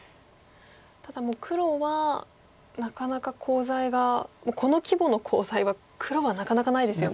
ただもう黒はなかなかコウ材がこの規模のコウ材は黒はなかなかないですよね。